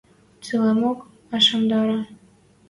Цилӓмок ӓшӹндӓрӓ.